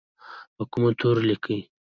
په کومو تورو لیکي؟